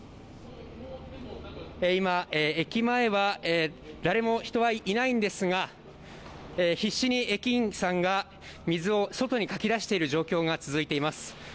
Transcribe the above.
今、駅前は誰も人はいないんですが必死に駅員さんが水を外にかき出している状況が続いています